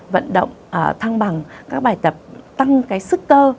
vận động thăng bằng các bài tập tăng sức cơ